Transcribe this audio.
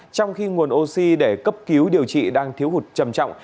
trong khi nguồn oxy để cấp cứu điều trị đang thiếu hụt trầm trọng